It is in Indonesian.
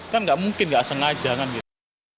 kan gak mungkin gak sengaja kan gitu